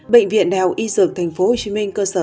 bệnh viện đại học y dược tp hcm cơ sở